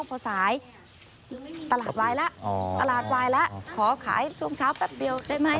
พอสายตลาดไว้แล้วขอขายช่วงเช้าแป๊บเดียวได้ไหม